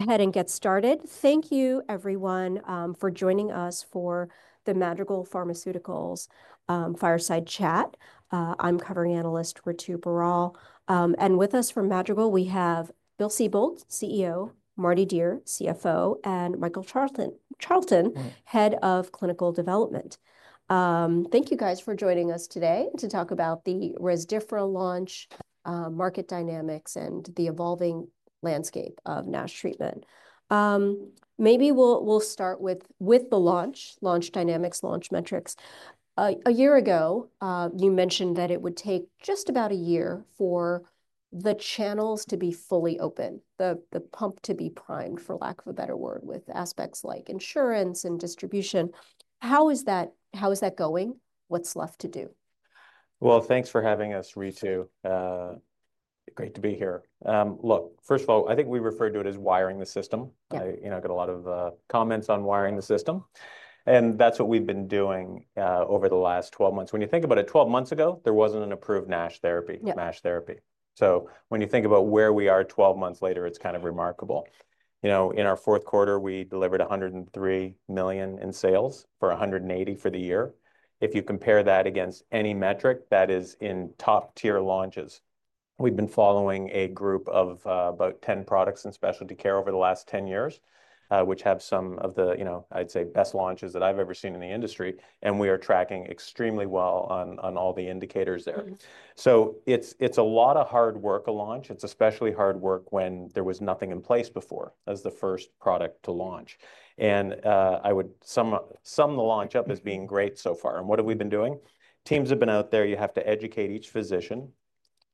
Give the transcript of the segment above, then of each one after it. Ahead and get started. Thank you, everyone, for joining us for the Madrigal Pharmaceuticals fireside chat. I'm Ritu Baral, covering analyst. And with us from Madrigal, we have Bill Sibold, CEO; Mardi Dier, CFO; and Michael Charlton, head of clinical development. Thank you guys for joining us today to talk about the Rezdiffra launch, market dynamics, and the evolving landscape of NASH treatment. Maybe we'll start with the launch dynamics, launch metrics. A year ago, you mentioned that it would take just about a year for the channels to be fully open, the pump to be primed, for lack of a better word, with aspects like insurance and distribution. How is that going? What's left to do? Well, thanks for having us, Ritu. Great to be here. Look, first of all, I think we refer to it as wiring the system. You know, I get a lot of comments on wiring the system. And that's what we've been doing over the last 12 months. When you think about it, 12 months ago, there wasn't an approved NASH therapy. So when you think about where we are 12 months later, it's kind of remarkable. You know, in our fourth quarter, we delivered $103 million in sales for $180 million for the year. If you compare that against any metric that is in top tier launches, we've been following a group of about 10 products in specialty care over the last 10 years, which have some of the, you know, I'd say best launches that I've ever seen in the industry. We are tracking extremely well on all the indicators there. It's a lot of hard work a launch. It's especially hard work when there was nothing in place before as the first product to launch. I would sum the launch up as being great so far. What have we been doing? Teams have been out there. You have to educate each physician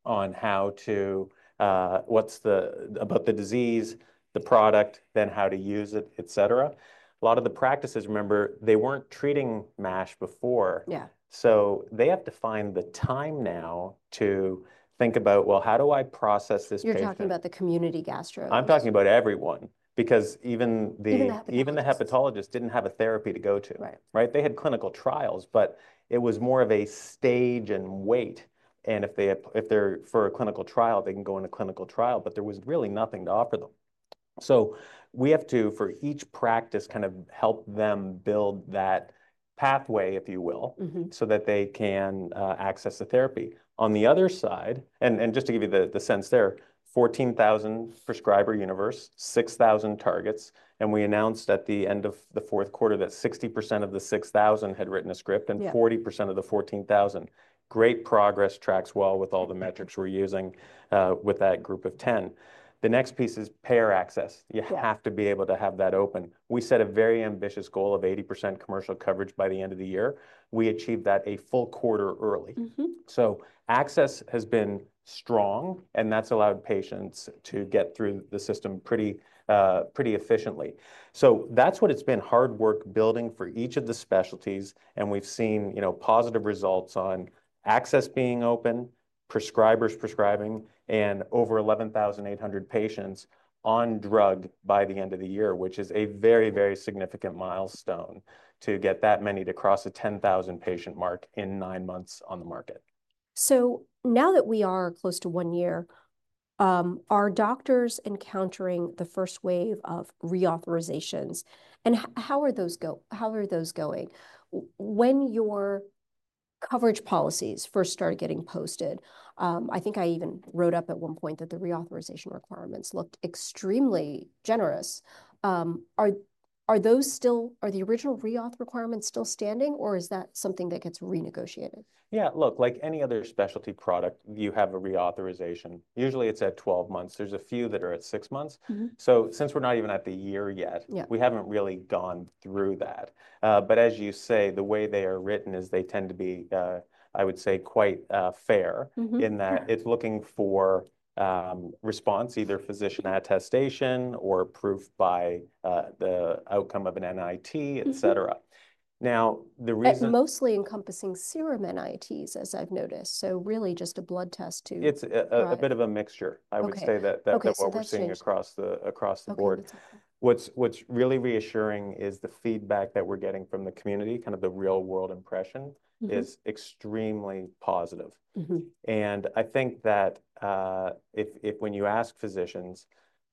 on how to about the disease, the product, then how to use it, et cetera. A lot of the practices, remember, they weren't treating NASH before. Yeah. So they have to find the time now to think about, well, how do I process this patient? You're talking about the community gastro. I'm talking about everyone, because even the hepatologist didn't have a therapy to go to. Right. Right? They had clinical trials, but it was more of a stage and wait. And if they're for a clinical trial, they can go into clinical trial, but there was really nothing to offer them. So we have to, for each practice, kind of help them build that pathway, if you will, so that they can access the therapy. On the other side, and just to give you the sense there, 14,000 prescriber universe, 6,000 targets. And we announced at the end of the fourth quarter that 60% of the 6,000 had written a script and 40% of the 14,000. Great progress, tracks well with all the metrics we're using, with that group of 10. The next piece is payer access. You have to be able to have that open. We set a very ambitious goal of 80% commercial coverage by the end of the year. We achieved that a full quarter early. So access has been strong, and that's allowed patients to get through the system pretty, pretty efficiently. So that's what it's been hard work building for each of the specialties. And we've seen, you know, positive results on access being open, prescribers prescribing, and over 11,800 patients on drug by the end of the year, which is a very, very significant milestone to get that many to cross a 10,000 patient mark in nine months on the market. So now that we are close to one year, are doctors encountering the first wave of reauthorizations? And how are those going? When your coverage policies first started getting posted, I think I even wrote up at one point that the reauthorization requirements looked extremely generous. Are those still the original reauth requirements still standing, or is that something that gets renegotiated? Yeah, look, like any other specialty product, you have a reauthorization. Usually it's at 12 months. There's a few that are at six months. So since we're not even at the year yet, we haven't really gone through that. But as you say, the way they are written is they tend to be, I would say, quite fair in that it's looking for response, either physician attestation or proof by the outcome of an NIT, et cetera. Now, the reason... That's mostly encompassing serum NITs, as I've noticed. So really just a blood test to... It's a bit of a mixture. I would say that that's what we're seeing across the, across the board. What's really reassuring is the feedback that we're getting from the community, kind of the real world impression is extremely positive, and I think that if when you ask physicians,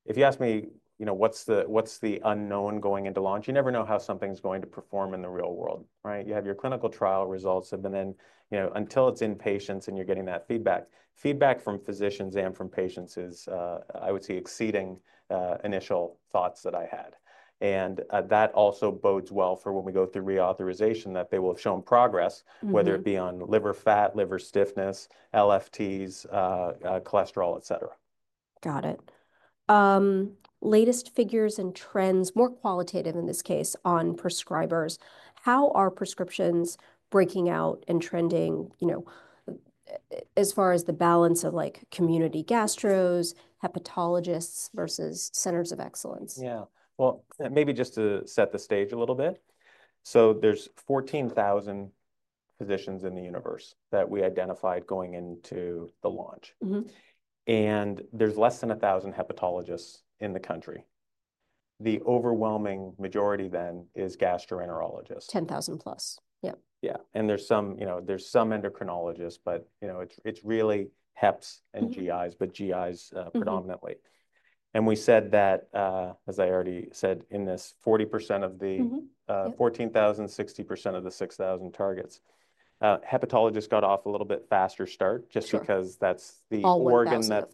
if you ask me, you know, what's the unknown going into launch, you never know how something's going to perform in the real world, right? You have your clinical trial results, and then you know until it's in patients and you're getting that feedback from physicians and from patients is, I would say exceeding initial thoughts that I had, and that also bodes well for when we go through reauthorization that they will have shown progress, whether it be on liver fat, liver stiffness, LFTs, cholesterol, et cetera. Got it. Latest figures and trends, more qualitative in this case on prescribers. How are prescriptions breaking out and trending, you know, as far as the balance of like community gastros, hepatologists versus centers of excellence? Yeah. Well, maybe just to set the stage a little bit. So there's 14,000 physicians in the universe that we identified going into the launch. And there's less than a thousand hepatologists in the country. The overwhelming majority then is gastroenterologists. 10,000 plus. Yep. Yeah. And there's some, you know, endocrinologists, but, you know, it's, it's really heps and GIs, but GIs, predominantly. And we said that, as I already said in this, 40% of the 14,000, 60% of the 6,000 targets. Hepatologists got off a little bit faster start just because that's the organ that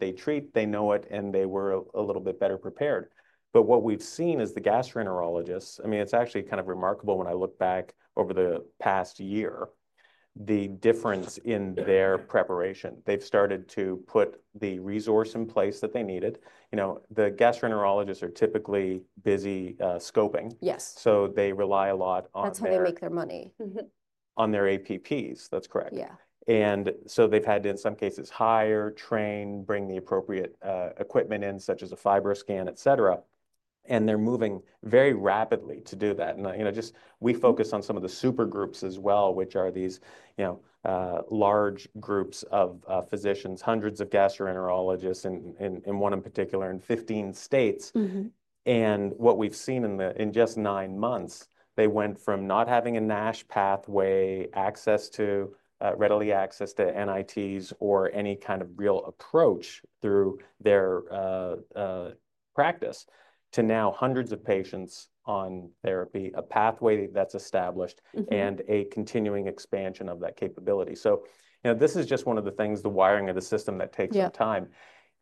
they treat, they know it, and they were a little bit better prepared. But what we've seen is the gastroenterologists. I mean, it's actually kind of remarkable when I look back over the past year, the difference in their preparation. They've started to put the resource in place that they needed. You know, the gastroenterologists are typically busy, scoping. Yes. They rely a lot on... That's how they make their money. On their APPs. That's correct. Yeah. And so they've had to, in some cases, hire, train, bring the appropriate equipment in, such as a FibroScan, et cetera. And they're moving very rapidly to do that. And, you know, just we focus on some of the super groups as well, which are these, you know, large groups of physicians, hundreds of gastroenterologists in one in particular in 15 states. And what we've seen in just nine months, they went from not having a NASH pathway, ready access to NITs or any kind of real approach through their practice to now hundreds of patients on therapy, a pathway that's established and a continuing expansion of that capability. So, you know, this is just one of the things, the wiring of the system that takes some time.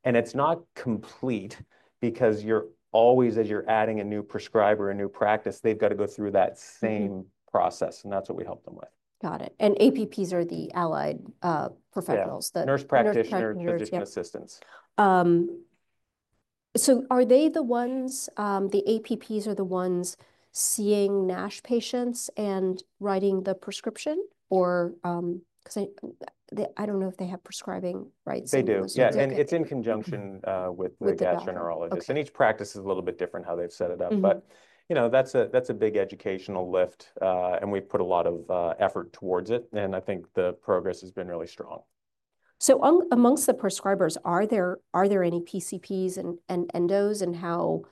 It's not complete because you're always, as you're adding a new prescriber, a new practice, they've got to go through that same process. And that's what we help them with. Got it. And APPs are the allied professionals that... Yeah. Nurse practitioners, physician assistants. So are they the ones, the APPs are the ones seeing NASH patients and writing the prescription or, 'cause I don't know if they have prescribing rights? They do. Yeah. And it's in conjunction with the gastroenterologists. And each practice is a little bit different how they've set it up, but you know, that's a big educational lift. And we've put a lot of effort towards it. And I think the progress has been really strong. So among the prescribers, are there any PCPs and those, and how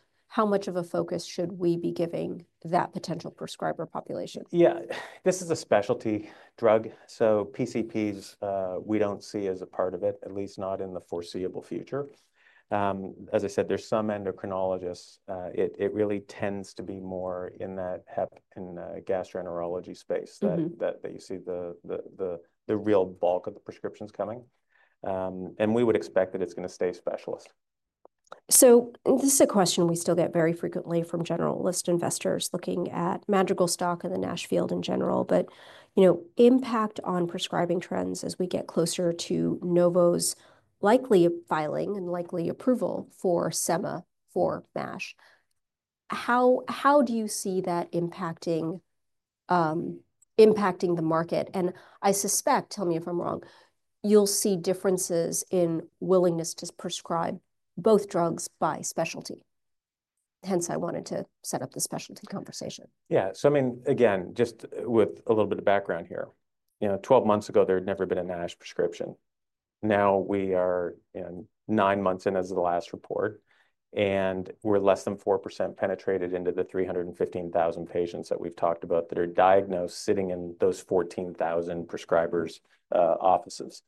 much of a focus should we be giving that potential prescriber population? Yeah, this is a specialty drug. So PCPs, we don't see as a part of it, at least not in the foreseeable future. As I said, there's some endocrinologists. It really tends to be more in that hep and gastroenterology space that you see the real bulk of the prescriptions coming. And we would expect that it's going to stay specialist. So this is a question we still get very frequently from general list investors looking at Madrigal stock and the NASH field in general, but, you know, impact on prescribing trends as we get closer to Novo's likely filing and likely approval for Sema for NASH. How do you see that impacting the market? And I suspect, tell me if I'm wrong, you'll see differences in willingness to prescribe both drugs by specialty. Hence, I wanted to set up the specialty conversation. Yeah. So, I mean, again, just with a little bit of background here, you know, 12 months ago, there had never been a NASH prescription. Now we are, you know, nine months in as of the last report, and we're less than 4% penetrated into the 315,000 patients that we've talked about that are diagnosed sitting in those 14,000 prescribers' offices.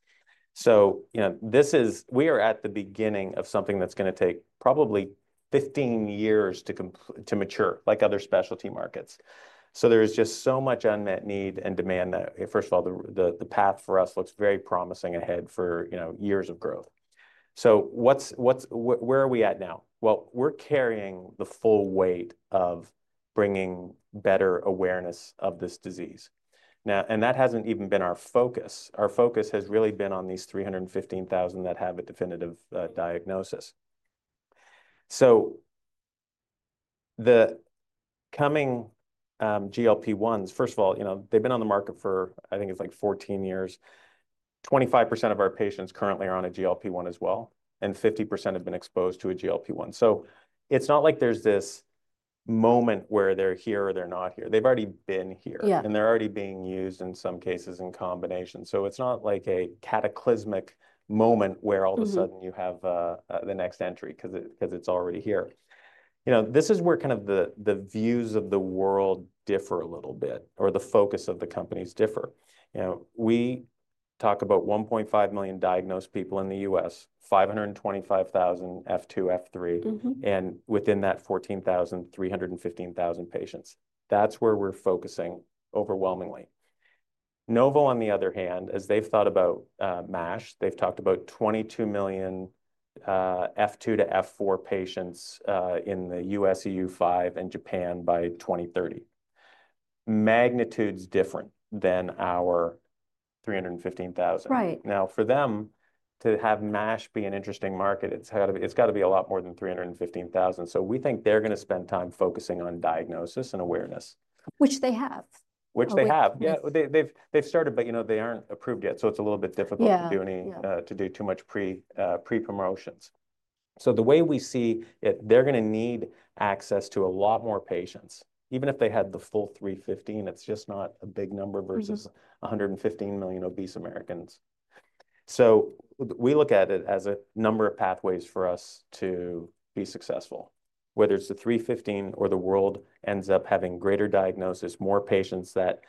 So, you know, this is, we are at the beginning of something that's going to take probably 15 years to complete to mature, like other specialty markets. So there is just so much unmet need and demand that, first of all, the path for us looks very promising ahead for, you know, years of growth. So, what's where are we at now? We're carrying the full weight of bringing better awareness of this disease now, and that hasn't even been our focus. Our focus has really been on these 315,000 that have a definitive diagnosis. So the coming GLP-1s, first of all, you know, they've been on the market for, I think it's like 14 years. 25% of our patients currently are on a GLP-1 as well, and 50% have been exposed to a GLP-1. So it's not like there's this moment where they're here or they're not here. They've already been here. Yeah. And they're already being used in some cases in combination. So it's not like a cataclysmic moment where all of a sudden you have the next entry 'cause it, 'cause it's already here. You know, this is where kind of the views of the world differ a little bit or the focus of the companies differ. You know, we talk about 1.5 million diagnosed people in the U.S., 525,000 F2, F3, and within that 14,000, 315,000 patients. That's where we're focusing overwhelmingly. Novo, on the other hand, as they've thought about MASH, they've talked about 22 million F2-F4 patients in the U.S., EU5, and Japan by 2030. Magnitude's different than our 315,000. Right. Now, for them to have MASH be an interesting market, it's got to be, it's got to be a lot more than 315,000. So we think they're going to spend time focusing on diagnosis and awareness. Which they have. Which they have. Yeah. They've started, but you know, they aren't approved yet. So it's a little bit difficult to do too much pre-promotions. So the way we see it, they're going to need access to a lot more patients. Even if they had the full 315, it's just not a big number versus 115 million obese Americans. So we look at it as a number of pathways for us to be successful, whether it's the 315 or the world ends up having greater diagnosis, more patients that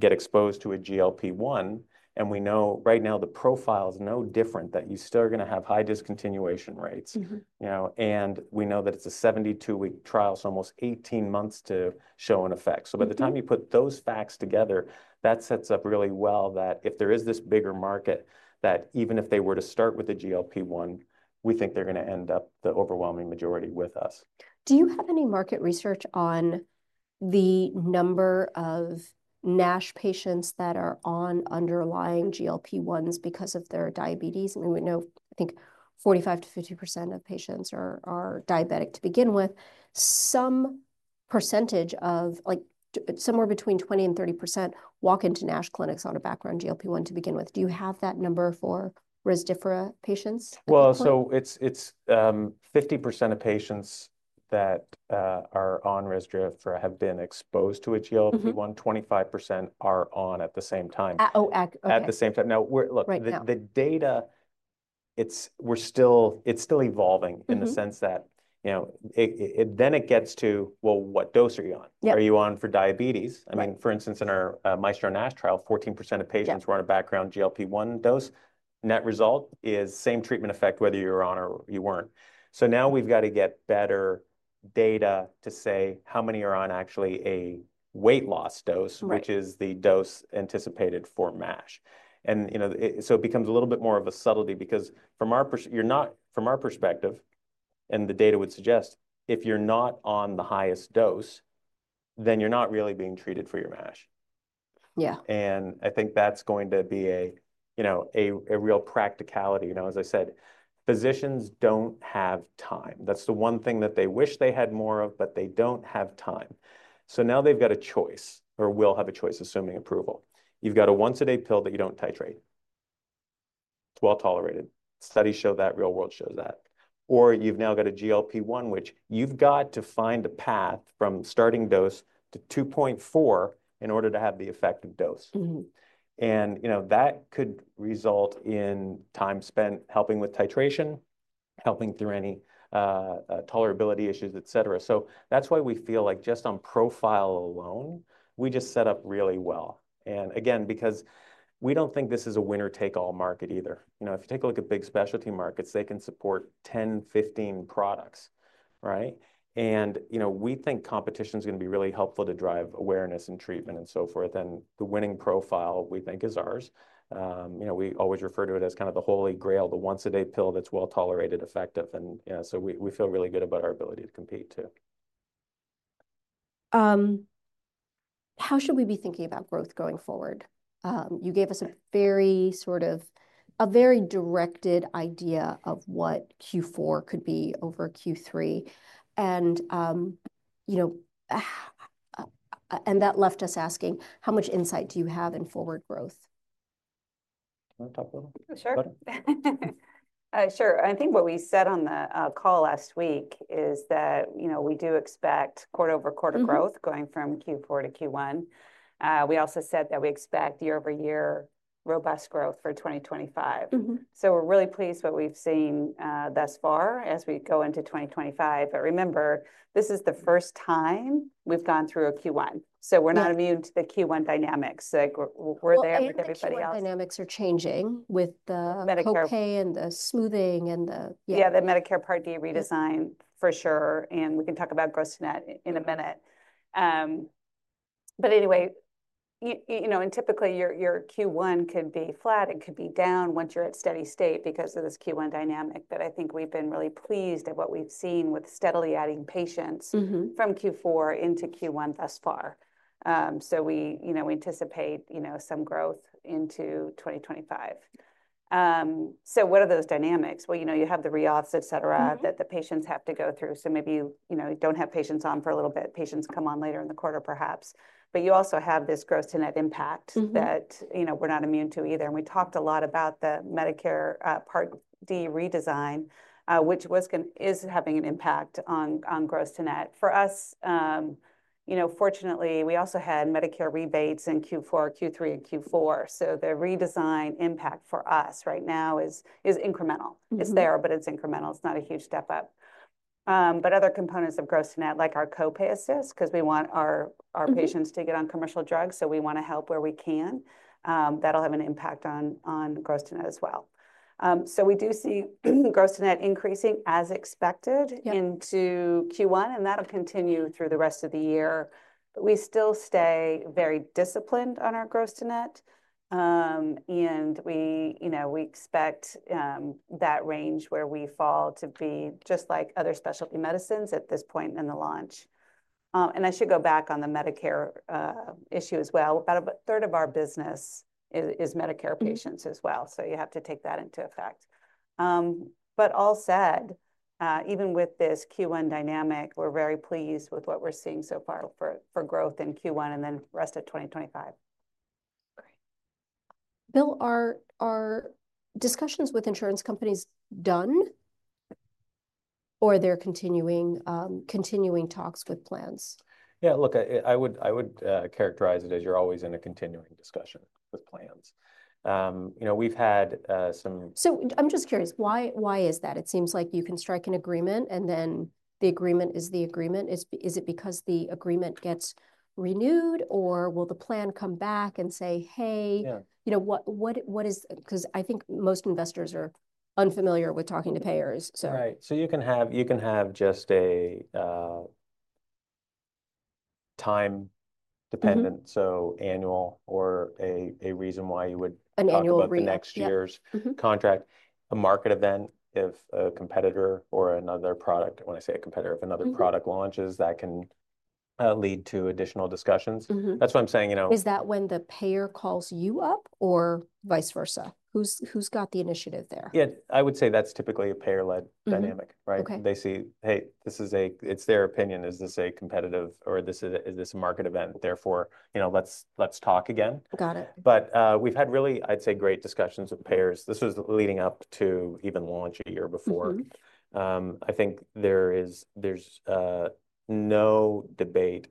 get exposed to a GLP-1. And we know right now the profile is no different that you still are going to have high discontinuation rates, you know, and we know that it's a 72-week trial. So almost 18 months to show an effect. So by the time you put those facts together, that sets up really well that if there is this bigger market, that even if they were to start with the GLP-1, we think they're going to end up the overwhelming majority with us. Do you have any market research on the number of NASH patients that are on underlying GLP-1s because of their diabetes? And we would know, I think 45%-50% of patients are diabetic to begin with. Some percentage of like somewhere between 20%-30% walk into NASH clinics on a background GLP-1 to begin with. Do you have that number for Rezdiffra patient? It's 50% of patients that are on Rezdiffra have been exposed to a GLP-1. 25% are on at the same time. Oh, okay. At the same time. Now we're looking at the data. It's still evolving in the sense that, you know, it gets to, well, what dose are you on? Are you on for diabetes? I mean, for instance, in our MAESTRO-NASH trial, 14% of patients were on a background GLP-1 dose. Net result is same treatment effect, whether you were on or you weren't. So now we've got to get better data to say how many are on actually a weight loss dose, which is the dose anticipated for MASH. And, you know, so it becomes a little bit more of a subtlety because from our perspective, and the data would suggest if you're not on the highest dose, then you're not really being treated for your MASH. Yeah. I think that's going to be a real practicality, you know, as I said, physicians don't have time. That's the one thing that they wish they had more of, but they don't have time. So now they've got a choice or will have a choice assuming approval. You've got a once-a-day pill that you don't titrate. It's well tolerated. Studies show that real world shows that. Or you've now got a GLP-1, which you've got to find a path from starting dose to 2.4 in order to have the effective dose. And, you know, that could result in time spent helping with titration, helping through any tolerability issues, et cetera. So that's why we feel like just on profile alone, we just set up really well. And again, because we don't think this is a winner-take-all market either. You know, if you take a look at big specialty markets, they can support 10, 15 products, right? And, you know, we think competition's going to be really helpful to drive awareness and treatment and so forth. And the winning profile we think is ours. You know, we always refer to it as kind of the holy grail, the once-a-day pill that's well tolerated, effective. And, you know, so we feel really good about our ability to compete too. How should we be thinking about growth going forward? You gave us a very directed idea of what Q4 could be over Q3. You know, that left us asking how much insight do you have in forward growth? Can I talk a little? Sure. Sure. I think what we said on the call last week is that, you know, we do expect quarter over quarter growth going from Q4 to Q1. We also said that we expect year over year robust growth for 2025. So we're really pleased with what we've seen, thus far as we go into 2025. But remember, this is the first time we've gone through a Q1. So we're not immune to the Q1 dynamics. Like we're there with everybody else. Q1 dynamics are changing with the GLP-1s and the smoothing and the, yeah. Yeah, the Medicare Part D redesign for sure, and we can talk about gross-to-net in a minute, but anyway, you know, and typically your Q1 could be flat. It could be down once you're at steady state because of this Q1 dynamic, but I think we've been really pleased at what we've seen with steadily adding patients from Q4 into Q1 thus far, so we anticipate, you know, some growth into 2025, so what are those dynamics? Well, you know, you have the re-auths, et cetera, that the patients have to go through, so maybe you know you don't have patients on for a little bit. Patients come on later in the quarter perhaps, but you also have this gross-to-net impact that, you know, we're not immune to either. And we talked a lot about the Medicare Part D redesign, which was going to, is having an impact on gross-to-net for us. You know, fortunately we also had Medicare rebates in Q4, Q3, and Q4. So the redesign impact for us right now is, is incremental. It's there, but it's incremental. It's not a huge step up. But other components of gross-to-net like our copay assist 'cause we want our, our patients to get on commercial drugs. So we want to help where we can. That'll have an impact on gross-to-net as well. So we do see gross-to-net increasing as expected into Q1 and that'll continue through the rest of the year. But we still stay very disciplined on our gross-to-net. And we, you know, we expect that range where we fall to be just like other specialty medicines at this point in the launch. And I should go back on the Medicare issue as well. About a third of our business is Medicare patients as well. So you have to take that into effect. But all said, even with this Q1 dynamic, we're very pleased with what we're seeing so far for growth in Q1 and then rest of 2025. Great. Bill, are discussions with insurance companies done or they're continuing talks with plans? Yeah, look, I would characterize it as you're always in a continuing discussion with plans. You know, we've had some. So I'm just curious why, why is that? It seems like you can strike an agreement and then the agreement is the agreement. Is it because the agreement gets renewed or will the plan come back and say, hey, you know, what is, 'cause I think most investors are unfamiliar with talking to payers. So. Right. So you can have just a time dependent, so annual or a reason why you would. An annual agreement. Book the next year's contract. A market event, if a competitor or another product, when I say a competitor, if another product launches that can lead to additional discussions. That's what I'm saying, you know. Is that when the payer calls you up or vice versa? Who's, who's got the initiative there? Yeah, I would say that's typically a payer-led dynamic, right? They see, hey, this is a, it's their opinion. Is this a competitive or this is, is this a market event? Therefore, you know, let's, let's talk again. Got it. But we've had really, I'd say great discussions with payers. This was leading up to even launch a year before. I think there's no debate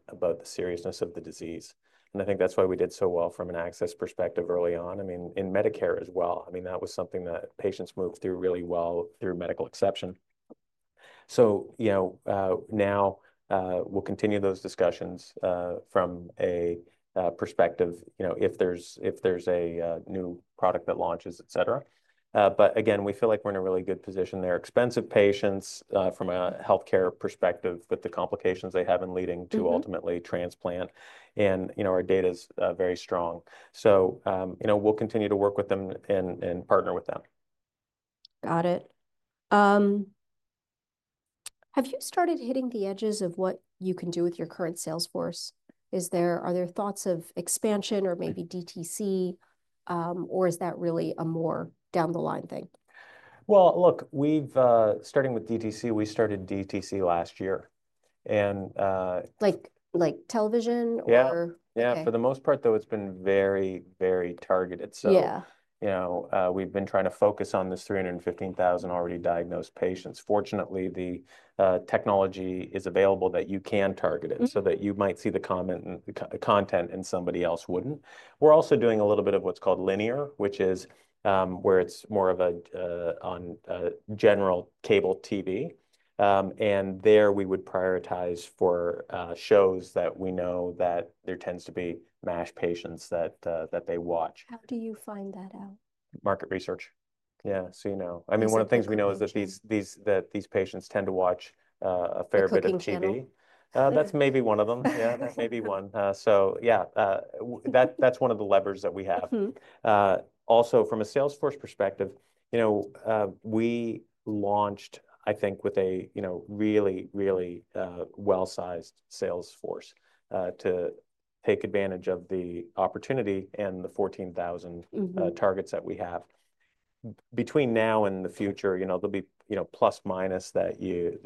about the seriousness of the disease. And I think that's why we did so well from an access perspective early on. I mean, in Medicare as well. I mean, that was something that patients moved through really well through medical exception. So you know, now we'll continue those discussions from a perspective, you know, if there's a new product that launches, et cetera. But again, we feel like we're in a really good position. They're expensive patients, from a healthcare perspective with the complications they have in leading to ultimately transplant. And you know, our data's very strong. So you know, we'll continue to work with them and partner with them. Got it. Have you started hitting the edges of what you can do with your current sales force? Are there thoughts of expansion or maybe DTC, or is that really a more down the line thing? Look, we've starting with DTC, we started DTC last year and, Like television or? Yeah. Yeah. For the most part though, it's been very, very targeted. So, you know, we've been trying to focus on this 315,000 already diagnosed patients. Fortunately, the technology is available that you can target it so that you might see the comment and the content and somebody else wouldn't. We're also doing a little bit of what's called linear, which is, where it's more of a, on, general cable TV. And there we would prioritize for shows that we know that there tends to be MASH patients that they watch. How do you find that out? Market research. Yeah. So, you know, I mean, one of the things we know is that these that these patients tend to watch a fair bit of TV. That's maybe one of them. Yeah, that's maybe one. So yeah, that's one of the levers that we have. Also from a sales force perspective, you know, we launched, I think with a, you know, really, really, well-sized sales force to take advantage of the opportunity and the 14,000 targets that we have between now and the future. You know, there'll be, you know, plus minus that you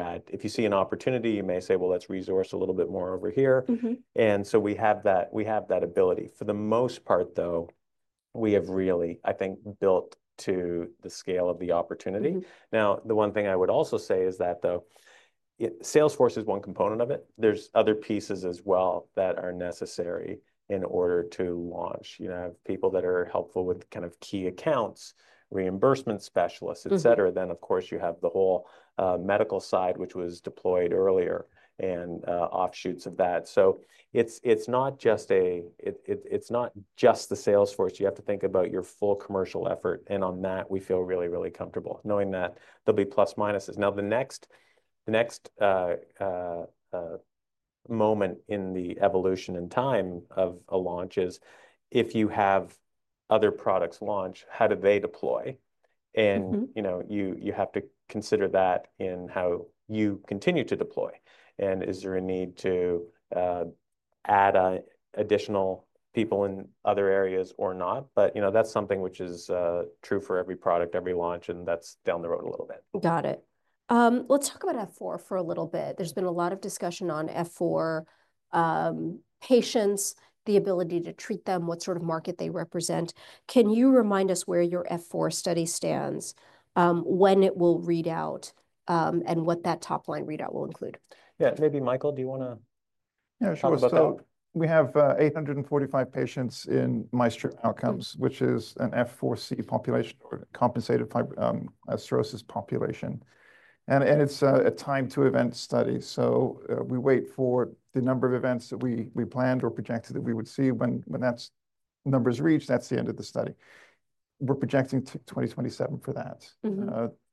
add. If you see an opportunity, you may say, well, let's resource a little bit more over here. So we have that. We have that ability. For the most part though, we have really, I think, built to the scale of the opportunity. Now, the one thing I would also say is that the sales force is one component of it. There's other pieces as well that are necessary in order to launch. You know, I have people that are helpful with kind of key accounts, reimbursement specialists, et cetera. Then of course you have the whole medical side, which was deployed earlier and offshoots of that. So it's not just the sales force. You have to think about your full commercial effort, and on that, we feel really, really comfortable knowing that there'll be plus minuses. Now the next moment in the evolution in time of a launch is if you have other products launch, how do they deploy? You know, you have to consider that in how you continue to deploy. Is there a need to add additional people in other areas or not? You know, that's something which is true for every product, every launch, and that's down the road a little bit. Got it. Let's talk about F4 for a little bit. There's been a lot of discussion on F4, patients, the ability to treat them, what sort of market they represent. Can you remind us where your F4 study stands, when it will read out, and what that top line readout will include? Yeah. Maybe Michael, do you want to talk about that? Yeah, sure. So we have 845 patients in MAESTRO-NASH OUTCOMES, which is an F4C population or compensated fib, cirrhosis population. And it's a time to event study. So we wait for the number of events that we planned or projected that we would see when that number's reached, that's the end of the study. We're projecting 2027 for that.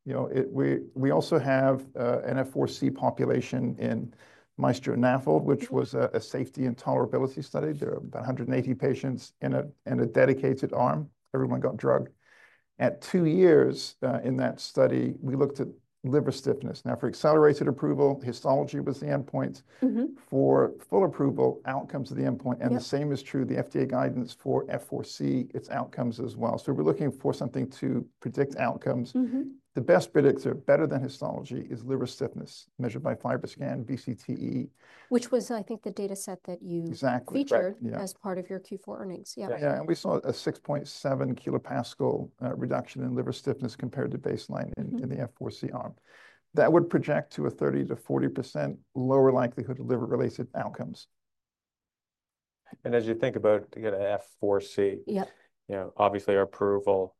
You know, it, we also have an F4C population in MAESTRO-NAFLD, which was a safety and tolerability study. There are about 180 patients in a dedicated arm. Everyone got drugged. At two years, in that study, we looked at liver stiffness. Now for accelerated approval, histology was the endpoint. For full approval, outcomes are the endpoint. And the same is true, the FDA guidance for F4C, its outcomes as well. So we're looking for something to predict outcomes. The best predictor, better than histology, is liver stiffness measured by FibroScan BCTE. Which was, I think, the dataset that you featured as part of your Q4 earnings. Yeah. Yeah. And we saw a 6.7 kilopascal reduction in liver stiffness compared to baseline in the F4C arm. That would project to a 30%-40% lower likelihood of liver-related outcomes. As you think about, you know, F4C, you know, obviously our approval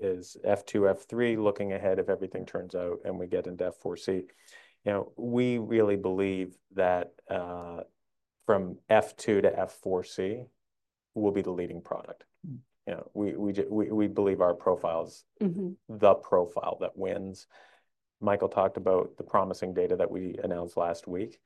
is F2, F3, looking ahead if everything turns out and we get into F4C. You know, we really believe that from F2-F4C will be the leading product. You know, we just, we believe our profile is the profile that wins. Michael talked about the promising data that we announced last week,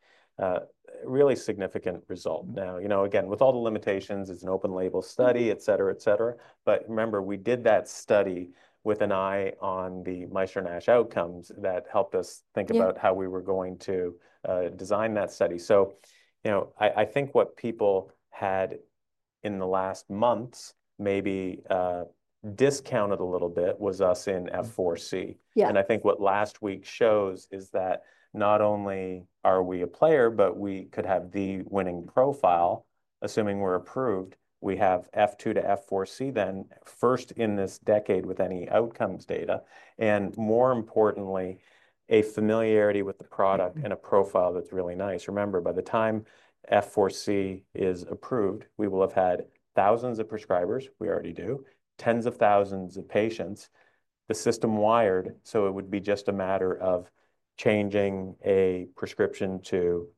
really significant result. Now, you know, again, with all the limitations, it's an open label study, et cetera, et cetera. But remember, we did that study with an eye on the MAESTRO-NASH outcomes that helped us think about how we were going to design that study. So, you know, I think what people had in the last months maybe discounted a little bit was us in F4C. I think what last week shows is that not only are we a player, but we could have the winning profile, assuming we're approved. We have F2-F4C then first in this decade with any outcomes data. And more importantly, a familiarity with the product and a profile that's really nice. Remember, by the time F4C is approved, we will have had thousands of prescribers. We already do tens of thousands of patients. The system's wired, so it would be just a matter of changing a prescription to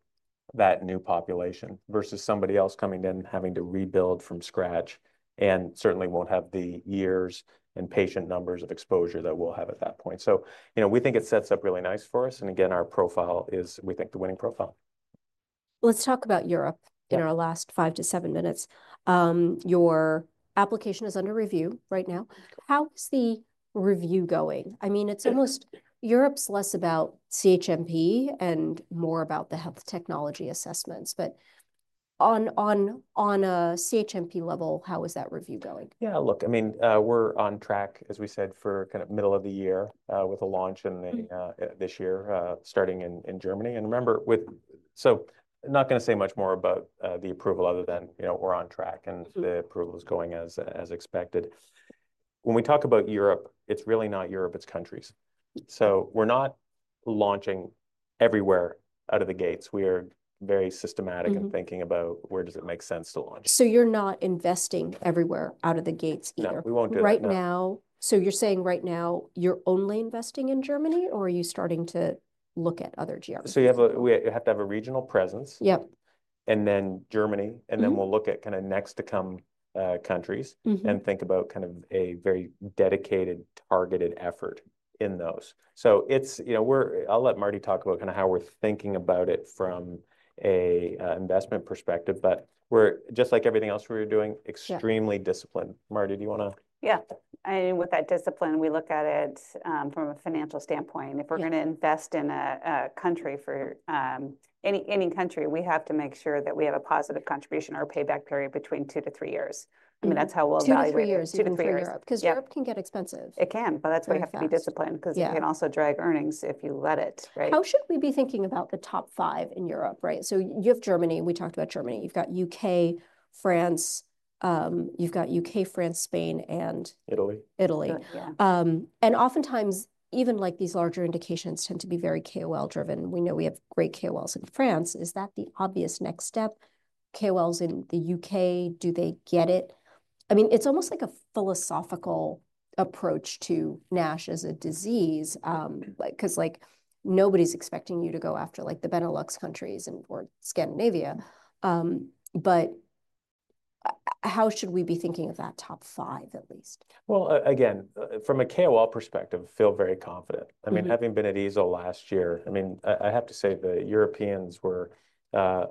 that new population versus somebody else coming in, having to rebuild from scratch and certainly won't have the years and patient numbers of exposure that we'll have at that point. So, you know, we think it sets up really nice for us. And again, our profile is, we think the winning profile. Let's talk about Europe in our last five to seven minutes. Your application is under review right now. How's the review going? I mean, it's almost Europe is less about CHMP and more about the health technology assessments, but on a CHMP level, how is that review going? Yeah, look, I mean, we're on track, as we said, for kind of middle of the year, with a launch this year, starting in Germany. And remember, so not gonna say much more about the approval other than, you know, we're on track and the approval is going as expected. When we talk about Europe, it's really not Europe, it's countries. So we're not launching everywhere out of the gates. We are very systematic in thinking about where does it make sense to launch. So you're not investing everywhere out of the gates either? No, we won't do that. Right now. So you're saying right now you're only investing in Germany or are you starting to look at other geographies? We have to have a regional presence. Yep. Then Germany, and then we'll look at kind of next to come countries and think about kind of a very dedicated targeted effort in those. It's, you know, we're. I'll let Mardi talk about kind of how we're thinking about it from an investment perspective, but we're just like everything else we're doing, extremely disciplined. Mardi, do you wanna? Yeah. And with that discipline, we look at it from a financial standpoint. If we're gonna invest in any country, we have to make sure that we have a positive contribution or payback period between two to three years. I mean, that's how we'll evaluate two to three years. 'Cause Europe can get expensive. It can, but that's why you have to be disciplined 'cause you can also drag earnings if you let it, right? How should we be thinking about the top five in Europe, right? So you have Germany, we talked about Germany, you've got U.K., France, Spain, and. Italy. Italy, and oftentimes even like these larger indications tend to be very KOL driven. We know we have great KOLs in France. Is that the obvious next step? KOLs in the U.K., do they get it? I mean, it's almost like a philosophical approach to NASH as a disease, like 'cause like nobody's expecting you to go after like the Benelux countries and, or Scandinavia, but how should we be thinking of that top five at least? Well, again, from a KOL perspective, feel very confident. I mean, having been at EASL last year, I mean, I have to say the Europeans were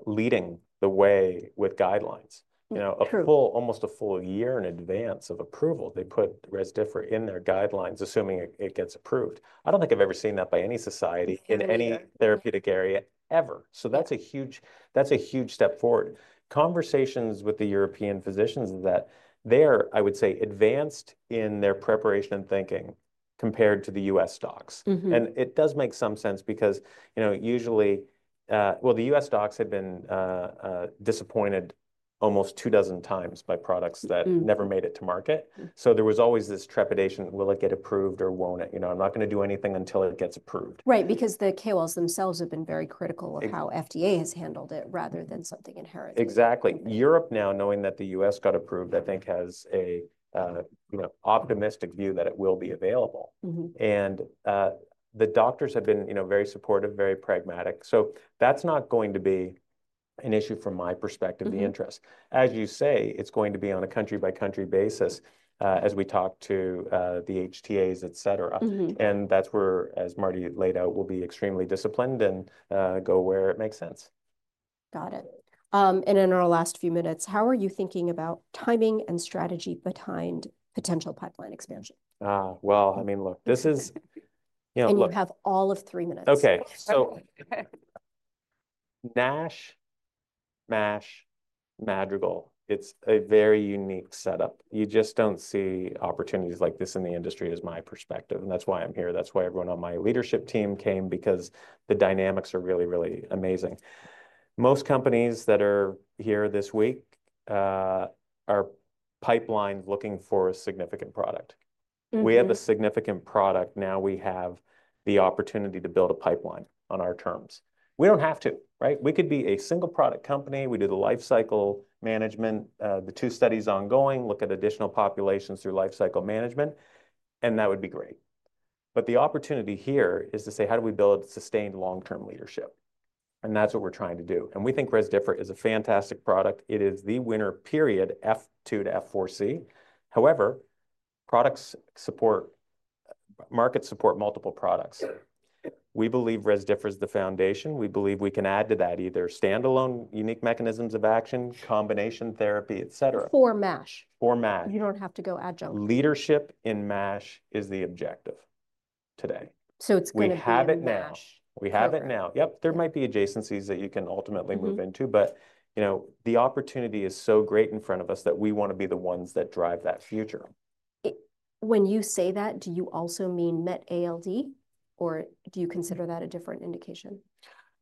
leading the way with guidelines, you know, a full, almost a full year in advance of approval. They put Rezdiffra in their guidelines, assuming it gets approved. I don't think I've ever seen that by any society in any therapeutic area ever. So that's a huge, that's a huge step forward. Conversations with the European physicians that they're I would say advanced in their preparation and thinking compared to the US docs. And it does make some sense because, you know, usually the US docs had been disappointed almost two dozen times by products that never made it to market. So there was always this trepidation, will it get approved or won't it? You know, I'm not gonna do anything until it gets approved. Right. Because the KOLs themselves have been very critical of how FDA has handled it rather than something inherent. Exactly. Europe now, knowing that the U.S. got approved, I think has a, you know, optimistic view that it will be available. And, the doctors have been, you know, very supportive, very pragmatic. So that's not going to be an issue from my perspective, the interest. As you say, it's going to be on a country-by-country basis, as we talk to, the HTAs, et cetera. And that's where, as Mardi laid out, we'll be extremely disciplined and, go where it makes sense. Got it, and in our last few minutes, how are you thinking about timing and strategy behind potential pipeline expansion? I mean, look, this is, you know. You have all of three minutes. Okay. So NASH, MASH, Madrigal, it's a very unique setup. You just don't see opportunities like this in the industry is my perspective. And that's why I'm here. That's why everyone on my leadership team came, because the dynamics are really, really amazing. Most companies that are here this week, are pipeline looking for a significant product. We have a significant product. Now we have the opportunity to build a pipeline on our terms. We don't have to, right? We could be a single product company. We do the lifecycle management, the two studies ongoing, look at additional populations through lifecycle management, and that would be great. But the opportunity here is to say, how do we build sustained long-term leadership? And that's what we're trying to do. And we think Rezdiffra is a fantastic product. It is the winner period F2-F4C. However, products support, markets support multiple products. We believe Rezdiffra is the foundation. We believe we can add to that either standalone unique mechanisms of action, combination therapy, et cetera. For Mash. For Mash. You don't have to go adjunct. Leadership in MASH is the objective today. So it's kind of. We have it now. We have it now. Yep. There might be adjacencies that you can ultimately move into, but you know, the opportunity is so great in front of us that we wanna be the ones that drive that future. When you say that, do you also mean MetALD or do you consider that a different indication?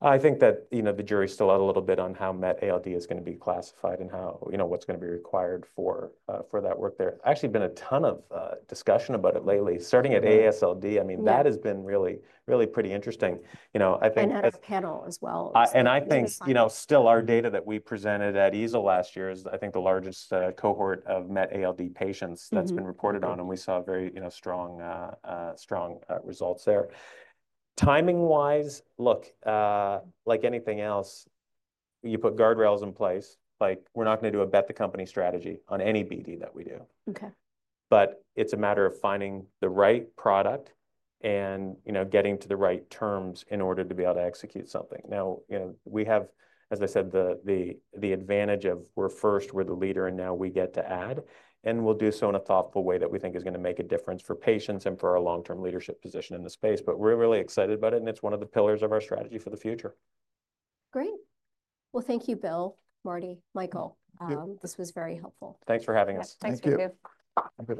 I think that, you know, the jury's still out a little bit on how MetALD is gonna be classified and how, you know, what's gonna be required for, for that work there. Actually, been a ton of, discussion about it lately, starting at AASLD. I mean, that has been really, really pretty interesting. You know, I think. And at a panel as well. I think, you know, still our data that we presented at ESO last year is, I think, the largest cohort of MetALD patients that's been reported on. We saw very, you know, strong, strong results there. Timing-wise, look, like anything else, you put guardrails in place. Like we're not gonna do a bet the company strategy on any BD that we do. Okay. But it's a matter of finding the right product and, you know, getting to the right terms in order to be able to execute something. Now, you know, we have, as I said, the advantage of we're first, we're the leader, and now we get to add, and we'll do so in a thoughtful way that we think is gonna make a difference for patients and for our long-term leadership position in the space. But we're really excited about it, and it's one of the pillars of our strategy for the future. Great. Well, thank you, Bill, Mardi, Michael. This was very helpful. Thanks for having us. Thank you. Thank you.